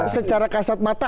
secara kasat mata